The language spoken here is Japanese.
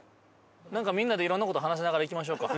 なんかみんなでいろんな事話しながら行きましょうか。